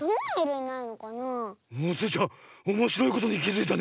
スイちゃんおもしろいことにきづいたね。